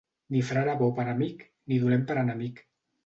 Ni frare bo per amic, ni dolent per enemic.